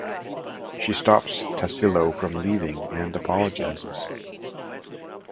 She stops Tassilo from leaving and apologises.